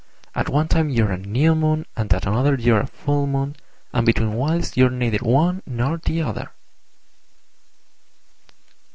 At one time you're a New Moon, and at another you're a Full Moon; and between whiles you're neither one nor the other."